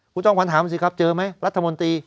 คุณจอมขวัญถามสิครับเจอไหมรัฐมนตรี